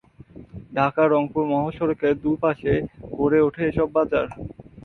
ঢাকা-রংপুর মহাসড়কের দুইপাশে গড়ে ওঠে এসব বাজার।